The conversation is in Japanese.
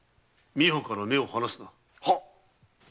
美保から目を離すな。